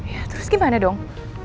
ya terus gimana dong